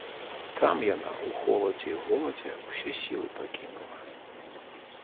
Там яна ў холадзе і голадзе ўсе сілы пакінула.